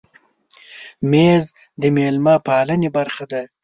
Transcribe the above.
مېز د مېلمه پالنې برخه ده.